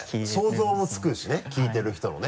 想像もつくしね聞いてる人のね。